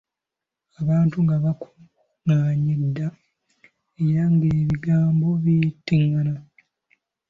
Abantu nga baakungaanye dda, era ng'ebigambo biyitingana.